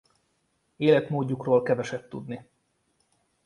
Életmódjukról keveset tudni.